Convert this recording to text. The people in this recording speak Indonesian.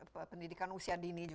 pendidikan usia dini juga